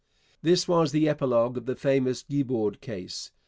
This was the epilogue of the famous Guibord case.